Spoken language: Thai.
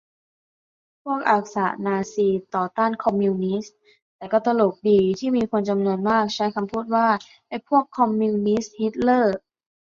พวกอักษะ-นาซี ต่อต้าน คอมมิวนิสต์ แต่ก็ตลกดี ที่มีคนจำนวนมากใช้คำพูดว่า "ไอ้พวกคอมมิวนิสต์-ฮิตเลอร์"